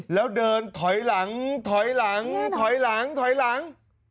แล้วเดินถอยหลังถอยหลังถอยหลังถอยหลัง